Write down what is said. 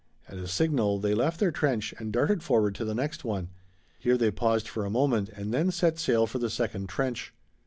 At a signal they left their trench and darted forward to the next one. Here they paused for a moment and then set sail for the second trench.